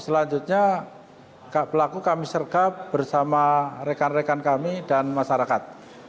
selanjutnya pelaku kami sergap bersama rekan rekan kami dan masyarakat